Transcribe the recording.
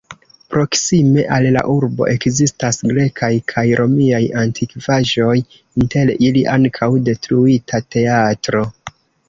Proksime al la urbo ekzistas grekaj kaj romiaj antikvaĵoj, inter ili ankaŭ detruita teatro.